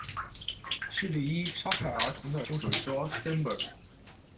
示例一：杀害儿童的凶手 Joel Steinberg。